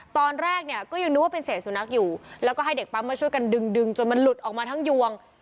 ตอนแรกเนี่ยก็ยังนึกว่าเป็นเศษสุนัขอยู่แล้วก็ให้เด็กปั๊มมาช่วยกันดึงดึงจนมันหลุดออกมาทั้งยวง